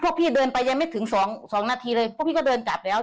พี่เดินไปยังไม่ถึงสองสองนาทีเลยพวกพี่ก็เดินกลับแล้ว